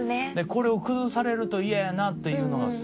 これを崩されるとイヤやなっていうのがすごくある。